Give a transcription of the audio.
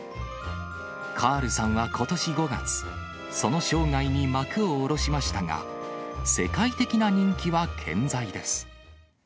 カールさんはことし５月、その生涯に幕を下ろしましたが、世界的な人気は健在です。